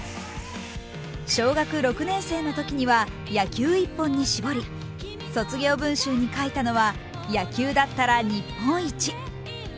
小学６年生のときには野球一本に絞り卒業文集に書いたのは、野球だったら日本一。